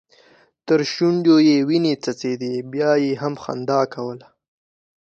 تر شونډو يې وينې څڅيدې بيا يې هم خندا کوله.